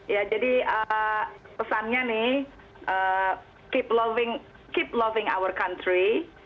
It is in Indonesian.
ya jadi pesannya nih keep loving our country